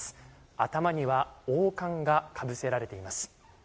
頭には王冠がかぶせられています。